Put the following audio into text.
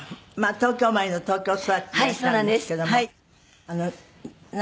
東京生まれの東京育ちでいらっしゃるんですけども何？